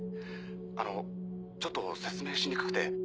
あのちょっと説明しにくくて。